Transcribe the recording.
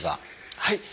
はい。